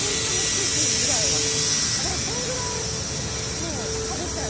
それくらい食べちゃう。